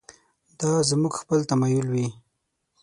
دا زموږ خپل تمایل وي.